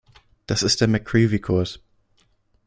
Das ist der McCreevy-Kurs.